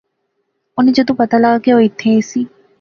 انیں جدوں پتہ لغا کہ او ایتھیں ایسی